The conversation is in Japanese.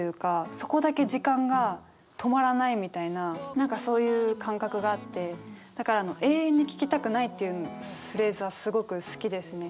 そこだけ時間が止まらないみたいな何かそういう感覚があってだからあの「永遠に聞きたくない」っていうフレーズはすごく好きですね。